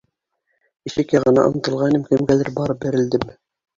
Ишек яғына ынтылғайным, кемгәлер барып бәрелдем.